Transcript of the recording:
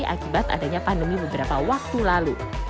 akibat adanya pandemi beberapa waktu lalu